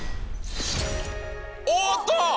おっと。